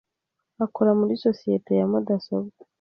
akora muri sosiyete ya mudasobwa.